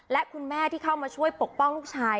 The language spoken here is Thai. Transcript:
และคุณแม่ที่เข้ามาช่วยปกป้องลูกชาย